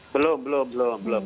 belum belum belum